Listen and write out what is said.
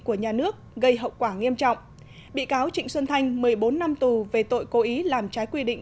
của nhà nước gây hậu quả nghiêm trọng bị cáo trịnh xuân thanh một mươi bốn năm tù về tội cố ý làm trái quy định